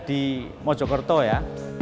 di mojokerto ya